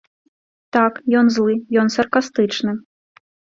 Так, ён злы, ён саркастычны.